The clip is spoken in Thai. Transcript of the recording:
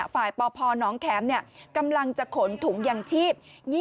ฝ่ายปพน้องแข็มกำลังจะขนถุงอย่างชีพ